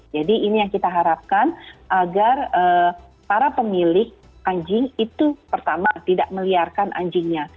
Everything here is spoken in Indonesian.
ini yang kita harapkan agar para pemilik anjing itu pertama tidak meliarkan anjingnya